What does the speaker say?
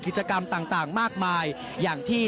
กิจกรรมต่างมากมายอย่างที่